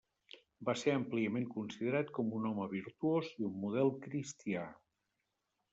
Va ser àmpliament considerat com un home virtuós i un model cristià.